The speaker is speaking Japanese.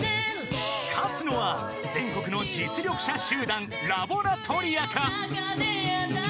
［勝つのは全国の実力者集団ラボラトリアか？］